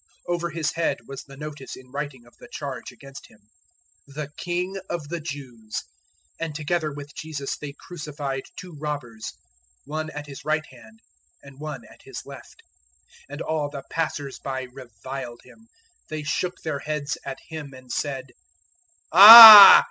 015:026 Over His head was the notice in writing of the charge against Him: THE KING OF THE JEWS. 015:027 And together with Jesus they crucified two robbers, one at His right hand and one at His left. 015:028 [] 015:029 And all the passers by reviled Him. They shook their heads at Him and said, "Ah!